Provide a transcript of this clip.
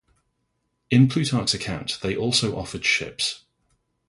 In Plutarch's account, they also offered ships.